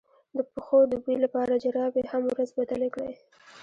د پښو د بوی لپاره جرابې هره ورځ بدلې کړئ